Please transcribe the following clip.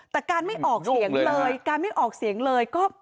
แต่การไม่ออกเสียงเลยการไม่ออกเสียงเลย